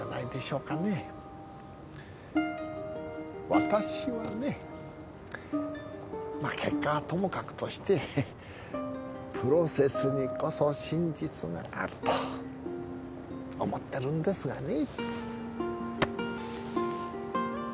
わたしはねまあ結果はともかくとしてプロセスにこそ真実があると思ってるんですがね。